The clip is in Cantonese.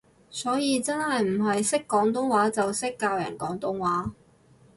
所以真係唔係識廣東話就識教人廣東話